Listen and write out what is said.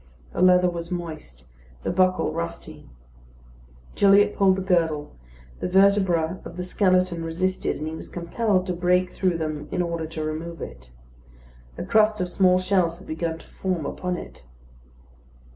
The leather was moist; the buckle rusty. Gilliatt pulled the girdle; the vertebra of the skeleton resisted, and he was compelled to break through them in order to remove it. A crust of small shells had begun to form upon it.